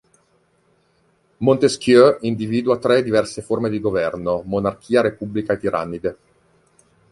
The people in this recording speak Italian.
Montesquieu individua tre diverse forme di governo: monarchia, repubblica e tirannide.